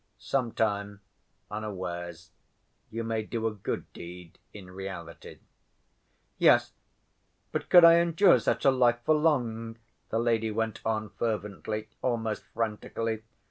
Sometime, unawares, you may do a good deed in reality." "Yes. But could I endure such a life for long?" the lady went on fervently, almost frantically.